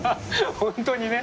本当にね。